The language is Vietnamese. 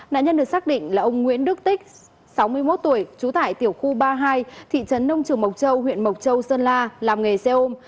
nạn nhân được xác định là ông nguyễn đức tích sáu mươi một tuổi trú tại tiểu khu ba mươi hai thị trấn nông trường mộc châu huyện mộc châu sơn la làm nghề xe ôm